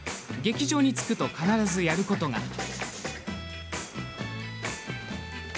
劇場に着くと必ずやることが。